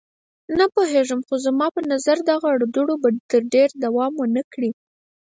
نه پوهېږم، خو زما په نظر دغه اړودوړ به تر ډېره دوام ونه کړي.